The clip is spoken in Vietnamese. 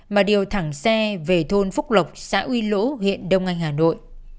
mà điều thẳng xe về thôn phúc lộc xã uy lũ huyện đông anh hà nội